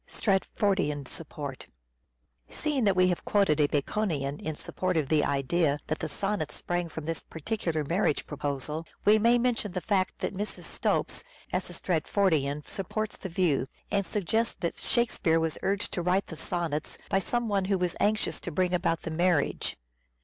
Stratfordian Seeing that we have quoted a Baconian in support of the idea that the sonnets sprang from this particular marriage proposal, we may mention the fact that Mrs. Stopes, as a Stratfordian, supports the view, and suggests that Shakspere was urged to write the sonnets by some one who was anxious to bring about the marriage.